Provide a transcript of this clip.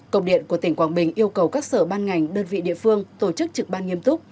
cộng điện của tỉnh quảng bình yêu cầu các sở ban ngành đơn vị địa phương tổ chức trực ban nghiêm túc